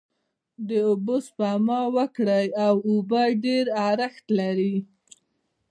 داوبوسپما وکړی او اوبه ډیر ارښت لری